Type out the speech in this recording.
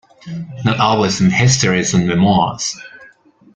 Not always in histories and memoirs!